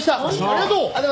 ありがとう！